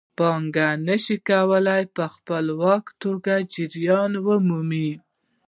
پانګه نشي کولای په خپلواکه توګه جریان ومومي